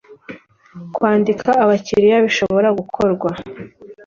Kwandika abakiriya bishobora gukorwa